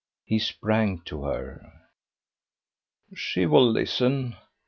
He sprang to her. "She will listen."